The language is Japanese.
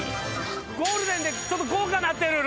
ゴールデンでちょっと豪華なってる！